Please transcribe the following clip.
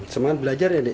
semangat belajar ya dik